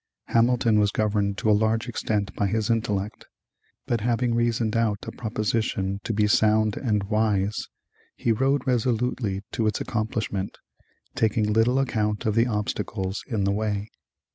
Hamilton was governed to a large extent by his intellect, but having reasoned out a proposition to be sound and wise, he rode resolutely to its accomplishment, taking little account of the obstacles in the way.